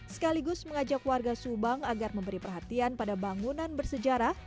sekaligus mengajak warga subang agar memberi perhatian pada bangunan bersejarah